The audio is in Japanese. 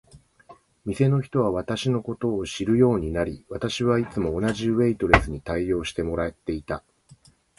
店の人は私のことを知るようになり、私はいつも同じウェイトレスに応対してもらっていた。